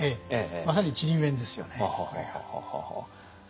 まさにちりめんですよねこれが。